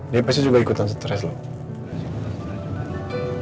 dia pasti juga ikutan stres loh